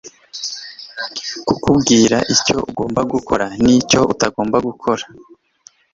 kukubwira icyo ugomba gukora n'icyo utagomba gukora